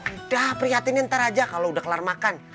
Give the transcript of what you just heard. udah prihatin ntar aja kalau udah kelar makan